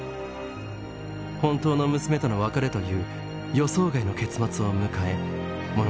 本当の娘との別れという予想外の結末を迎え物語は終わります。